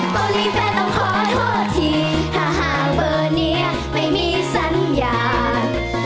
บริษัทต้องขอโทษทีถ้าหากเบอร์นี้ไม่มีสัญญาณ